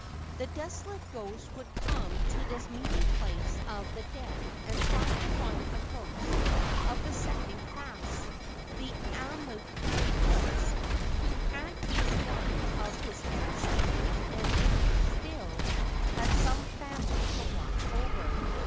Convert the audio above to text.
The desolate ghost would come to this meeting place of the dead and try to find a ghost of the second class, the aumakuas, who had been one of his ancestors and who still had some family to watch over.